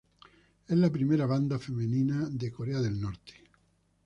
Es la primera Banda femenina de Corea del Norte.